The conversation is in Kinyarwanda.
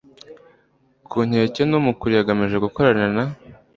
ku nkeke n umukuriye agamije gukorana na